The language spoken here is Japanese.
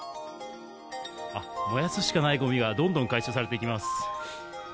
燃やすしかないごみが、どんどん回収されていきます。